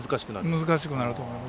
難しくなると思います。